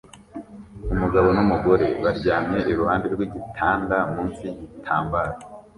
Umugabo numugore baryamye iruhande rwigitanda munsi yigitambaro